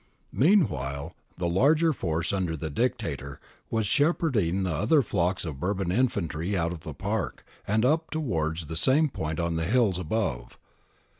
Meanwhile, the larger force under the Dictator was shepherding the other flocks of Bourbon infantry out of the park, and up towards the same point on the hills above.